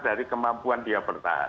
dari kemampuan dia bertahan